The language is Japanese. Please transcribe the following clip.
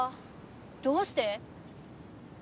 どうして？